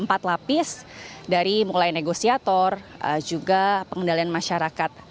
empat lapis dari mulai negosiator juga pengendalian masyarakat